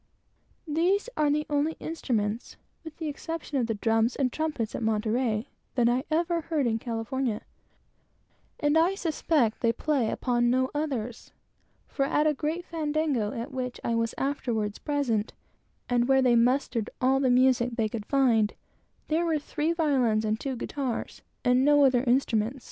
These are the only instruments, with the exception of the drums and trumpets at Monterey that I ever heard in California; and I suspect they play upon no others, for at a great fandango at which I was afterwards present, and where they mustered all the music they could find, there were three violins and two guitars, and no other instrument.